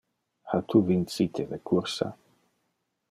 Ha tu vincite le cursa?